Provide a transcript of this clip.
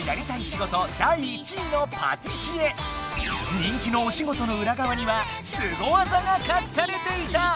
人気のおしごとのうらがわにはスゴ技がかくされていた！